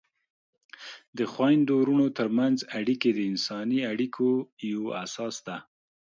د خویندو ورونو ترمنځ اړیکې د انساني اړیکو یوه اساس ده.